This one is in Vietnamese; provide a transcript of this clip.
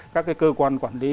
các cái cơ quan quản lý